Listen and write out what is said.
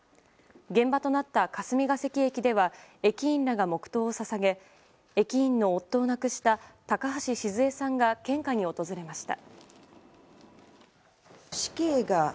現場となった霞ケ関駅では駅員らが黙祷を捧げ駅員の夫を亡くした高橋シズヱさんが献花に訪れました。